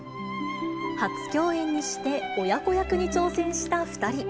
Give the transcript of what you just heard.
初共演にして親子役に挑戦した２人。